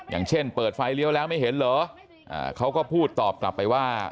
อย่างเช่นเปิดไฟเลี้ยวแล้วไม่เห็นเหรอเขาก็พูดตอบกลับไปว่า